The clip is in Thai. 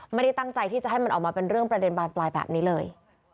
ไม่ได้ตั้งใจที่จะให้มันออกมาเป็นเรื่องประเด็นบานปลายแบบนี้เลย